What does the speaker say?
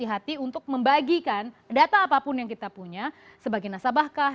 hati untuk membagikan data apapun yang kita punya sebagai nasabahkah